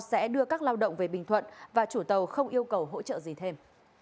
sẽ đưa các lao động về bình thuận và chủ tàu không yêu cầu hỗ trợ gì thêm